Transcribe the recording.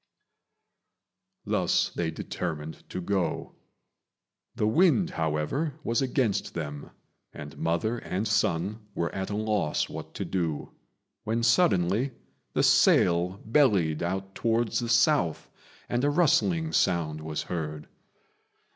Thus they determined to go. The wind, however, was against them, and mother and son were at a loss what to do, when suddenly the sail bellied out towards the south, and a rustling sound was heard.